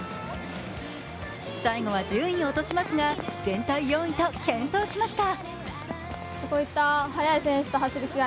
最後は順位を落としますが、全体４位と健闘しました。